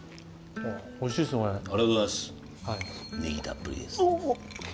葱たっぷりです。